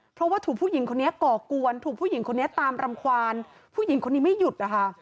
เพราะว่าถูกผู้หญิงคนนี้ก่อกวนถูกผู้หญิงคนนี้ตามรำควานผู้หญิงคนนี้ไม่หยุดนะคะ